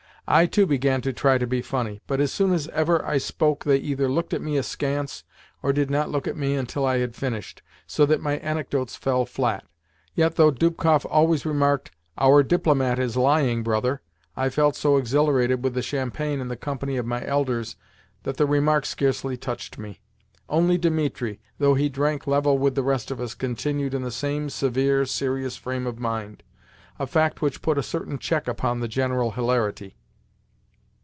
I too began to try to be funny, but as soon as ever I spoke they either looked at me askance or did not look at me until I had finished: so that my anecdotes fell flat. Yet, though Dubkoff always remarked, "Our DIPLOMAT is lying, brother," I felt so exhilarated with the champagne and the company of my elders that the remark scarcely touched me. Only Dimitri, though he drank level with the rest of us, continued in the same severe, serious frame of mind a fact which put a certain check upon the general hilarity.